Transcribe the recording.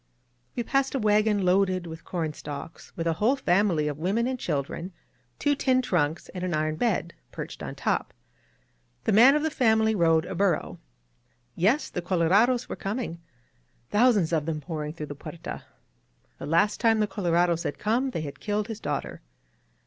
We passed a wagon loaded with corn stalks, with a whole family of women and children, two tin trunks, and an iron bed, perched on top. The man of the family rode a burro. Yes, the colorados were coming — thousands of them pouring through the Puerta. The last time the colorados had come they had killed his daughter.